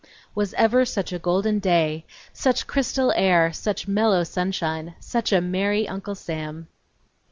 Was ever such a golden day! Such crystal air! Such mellow sunshine! Such a merry Uncle Sam!